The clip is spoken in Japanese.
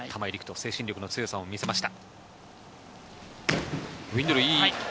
遠心力の強さを見せました。